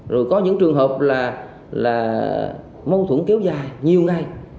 rồi có những trường hợp là mâu thuẫn kéo dài nhiều ngày